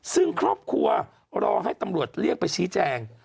ซึ่งครอบครัวรอให้ตำรวจเรียกไปชี้แจง